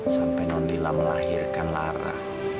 sampai nol nila melahirkan lara